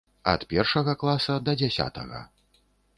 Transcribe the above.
Ад першага класа да дзясятага.